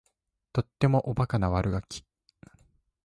とってもおバカな悪ガキ